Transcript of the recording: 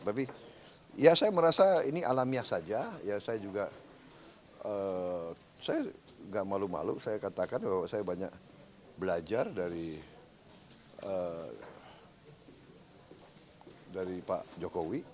tapi ya saya merasa ini alamiah saja ya saya juga saya gak malu malu saya katakan bahwa saya banyak belajar dari pak jokowi